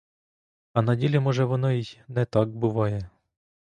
А на ділі може воно й не так буває.